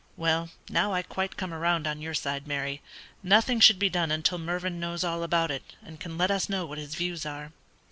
"Well, now I quite come round on your side, Mary; nothing should be done until Mervyn knows all about it, and can let us know what his views are.